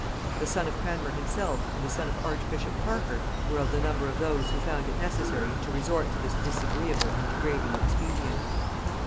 The son of Cranmer himself, and the son of archbishop Parker, were of the number of those who found it necessary to resort to this disagreeable and degrading expedient.